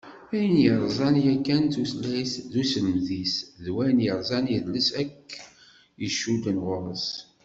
Ayen yerzan yakan tutlayt d uselmed-is, d wayen yerzan idles akk icudden ɣur-s.